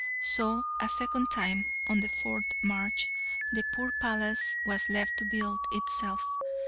So, a second time, on the 4th March, the poor palace was left to build itself.